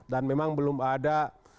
dan memang belum ada